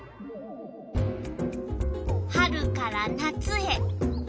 春から夏へ。